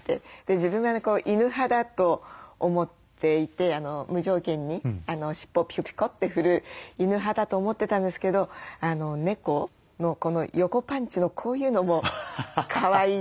自分が犬派だと思っていて無条件に尻尾をピコピコって振る犬派だと思ってたんですけど猫のこの横パンチのこういうのもかわいいって。